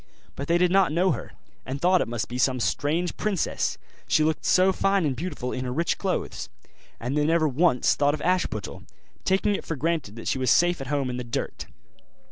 But they did not know her, and thought it must be some strange princess, she looked so fine and beautiful in her rich clothes; and they never once thought of Ashputtel, taking it for granted that she was safe at home in the dirt.